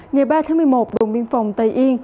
ngày ba tháng một mươi một đồn biên phòng tây y